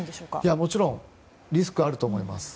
もちろんリスクはあると思います。